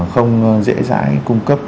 không dễ dãi cung cấp